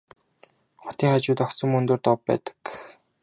Хотын хажууд огцом өндөр дов байдаг.